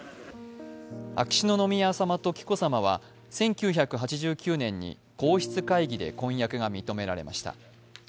秋篠宮さまと紀子さまは１９８９年に皇室会議で婚約が認められました。